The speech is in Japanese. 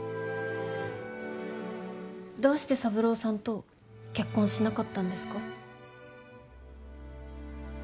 どうして三郎さんと結婚しなかったんですか？